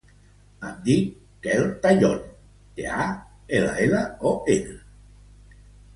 Em dic Quel Tallon: te, a, ela, ela, o, ena.